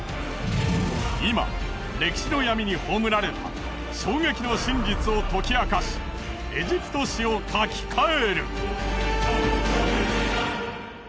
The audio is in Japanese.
今歴史の闇に葬られた衝撃の真実を解き明かしエジプト史を書き換える。